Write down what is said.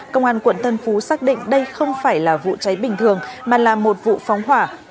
công an quận tân phú xác định đây không phải là vụ cháy bình thường mà là một vụ phóng hỏa